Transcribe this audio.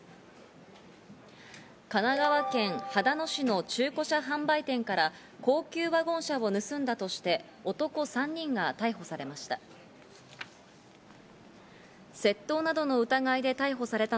神奈川県秦野市の中古車販売店から高級ワゴン車を盗んだとして男３人が逮捕されました。